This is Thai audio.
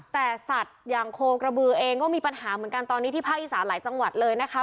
แต่สัตว์อย่างโคกระบือเองก็มีปัญหาเหมือนกันตอนนี้ที่ภาคอีสานหลายจังหวัดเลยนะคะ